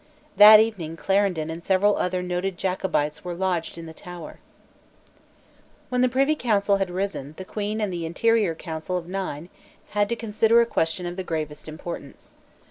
That evening Clarendon and several other noted Jacobites were lodged in the Tower, When the Privy Council had risen, the Queen and the interior Council of Nine had to consider a question of the gravest importance.